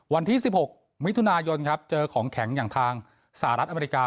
วันที่๑๖มิถุนายนครับเจอของแข็งอย่างทางสหรัฐอเมริกา